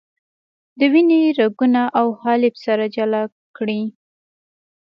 د وینې رګونه او حالب سره جلا کړئ.